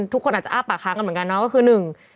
ทุกคนอาจจะอ้าปากค้างกันเหมือนกันเนาะก็คือหนึ่ง